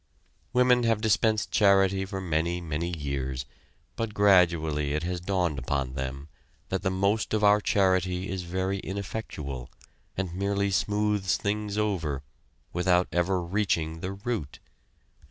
Women have dispensed charity for many, many years, but gradually it has dawned upon them that the most of our charity is very ineffectual, and merely smoothes things over, without ever reaching the root.